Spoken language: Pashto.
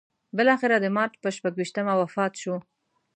بالاخره د مارچ پر شپږویشتمه وفات شو.